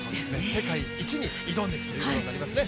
世界一に挑んでいくということになりますね。